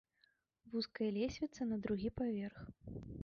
Вузкая лесвіца на другі паверх.